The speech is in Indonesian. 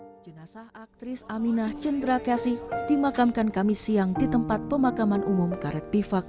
hai jenazah aktris aminah jendrakasi dimakamkan kami siang di tempat pemakaman umum karet bifak